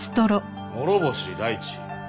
諸星大地？